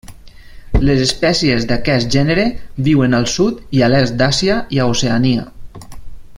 Les espècies d'aquest gènere viuen al sud i a l'est d'Àsia i a Oceania.